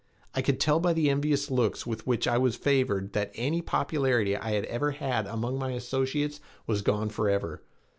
I could tell by the envious looks with which I was favored that any popularity I had ever had among my associates was gone forever.